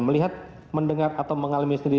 melihat mendengar atau mengalami sendiri